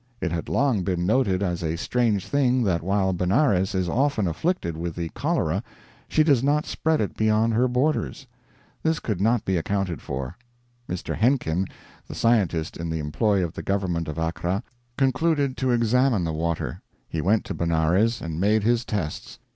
It had long been noted as a strange thing that while Benares is often afflicted with the cholera she does not spread it beyond her borders. This could not be accounted for. Mr. Henkin, the scientist in the employ of the government of Agra, concluded to examine the water. He went to Benares and made his tests.